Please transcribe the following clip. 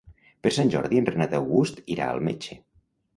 Per Sant Jordi en Renat August irà al metge.